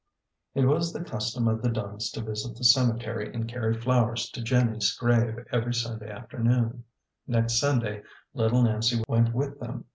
It was the custom of the Dunns to visit the cemetery and carry flowers to Jenny's grave every Sunday afternoon. Next Sunday little Nancy went with them.